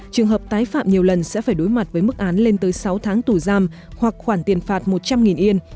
trường hợp tái phạm nhiều lần sẽ phải đối mặt với mức án lên tới sáu tháng tù giam hoặc khoản tiền phạt một trăm linh yên